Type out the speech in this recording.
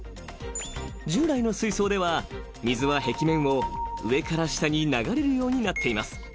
［従来の水槽では水は壁面を上から下に流れるようになっています］